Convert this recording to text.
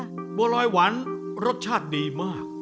บัวลอยหวานรสชาติดีมาก